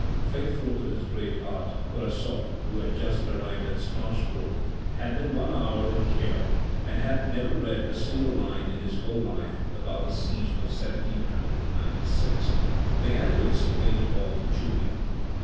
Faithful to his great art, Korasoff, who had just arrived at Strasbourg, had been one hour in Kehl and had never read a single line in his whole life about the siege of 1796, began to explain it all to Julien.